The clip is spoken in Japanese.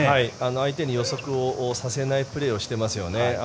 相手に予測をさせないプレーをしてますよね。